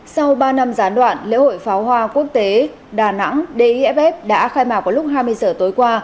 sau ba năm gián đoạn lễ hội pháo hoa quốc tế đà nẵng dff đã khai mạc vào lúc hai mươi giờ tối qua